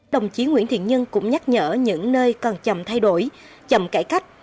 đồng chí nguyễn thiện nhân cũng nhắc nhở những nơi còn chậm thay đổi chậm cải cách